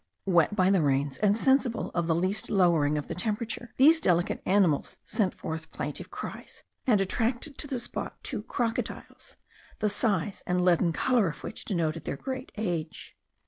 Wet by the rains and sensible of the least lowering of the temperature, these delicate animals sent forth plaintive cries, and attracted to the spot two crocodiles, the size and leaden colour of which denoted their great age.